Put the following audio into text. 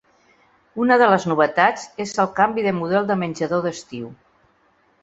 Una de les novetats és el canvi del model de menjador d’estiu.